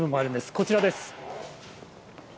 こちらです。